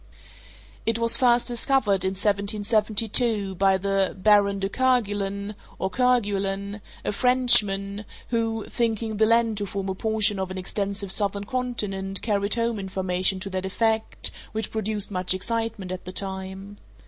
It was first discovered in 1772, by the Baron de Kergulen, or Kerguelen, a Frenchman, who, thinking the land to form a portion of an extensive southern continent carried home information to that effect, which produced much excitement at the time.